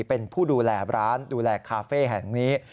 เป็นผู้ดูแลร้านดูแลคาเฟ่แห่งนี้